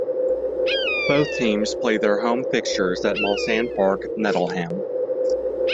Both teams play their home fixtures at Mulsanne Park, Nettleham.